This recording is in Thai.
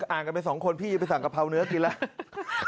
อ่านกันไปสองคนพี่ไปสั่งกะเพราเนื้อกินแล้ว